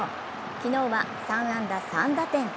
昨日は３安打３打点。